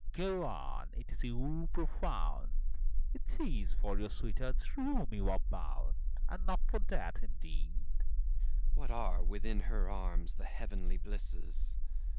Go on! It is a woe profound! 'Tis for your sweetheart's room you're bound, And not for death, indeed. FAUST What are, within her arms, the heavenly blisses?